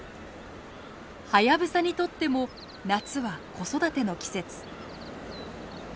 ハヤブサにとっても夏は子育ての季節。